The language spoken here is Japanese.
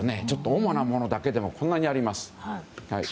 主なものだけでもこんなにあります。